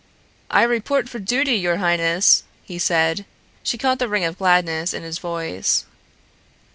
"I report for duty, your highness," he said. She caught the ring of gladness in his voice.